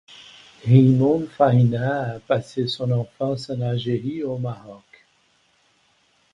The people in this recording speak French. Raymond Farina a passé son enfance en Algérie et au Maroc.